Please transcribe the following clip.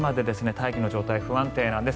大気の状態が不安定なんです。